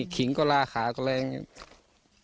ขิงก็ลาขาก็แรงอย่างนี้